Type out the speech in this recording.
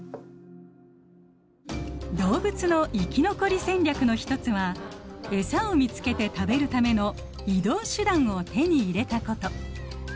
動物の生き残り戦略の一つはエサを見つけて食べるための移動手段を手に入れたこと。